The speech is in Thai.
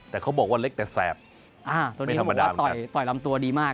แต่เขาบอกว่าเล็กแต่แสบอ่าตัวนี้เขาบอกว่าต่อยต่อยลำตัวดีมาก